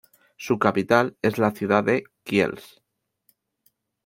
Su capital es la ciudad de Kielce.